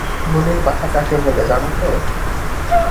বলির পাঠা কাকে বলে জানো তো?